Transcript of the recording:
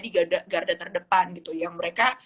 di garda terdepan gitu yang mereka